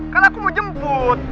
kan aku mau jemput